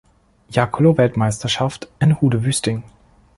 Jakkolo-Weltmeisterschaft in Hude-Wüsting.